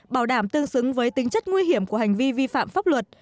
bảo đảm tương xứng với tính chất nguy hiểm của hành vi vi phạm pháp luật